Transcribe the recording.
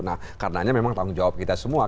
nah karenanya memang tanggung jawab kita semua